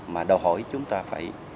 mà đòi hỏi chúng ta phải